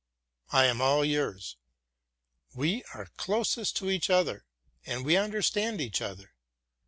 I am all yours; we are closest to each other and we understand each other.